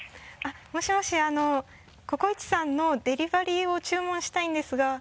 もしもし「ココイチ」さんのデリバリーを注文したいんですが。